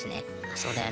そうだよね